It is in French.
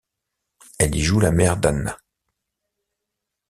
Elle y joue la mère d'Anna.